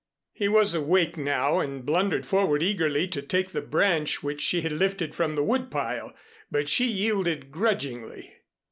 He was awake now, and blundered forward eagerly to take the branch which she had lifted from the wood pile. But she yielded grudgingly.